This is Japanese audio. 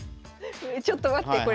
ちょっと待ってこれ。